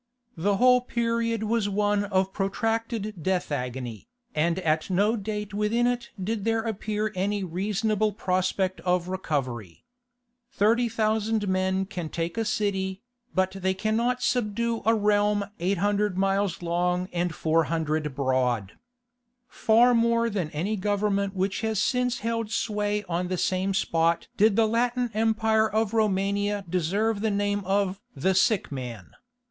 The whole period was one protracted death agony, and at no date within it did there appear any reasonable prospect of recovery. Thirty thousand men can take a city, but they cannot subdue a realm 800 miles long and 400 broad. Far more than any government which has since held sway on the same spot did the Latin Empire of Romania deserve the name of "the Sick Man."